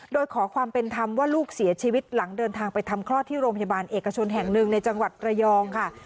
โดยขอความเป็นธรรมว่าลูกเสียชีวิตหลังเดินทางไปทำคลอดที่โรงพยาบาลเอกชนแห่งหนึ่งในจังหวัดระยองค่ะ